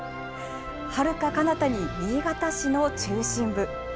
はるかかなたに新潟市の中心部。